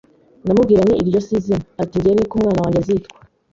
" Ndamubwira nti iryo si izina!!Ati:" Njye niko umwana wanjye azitwa.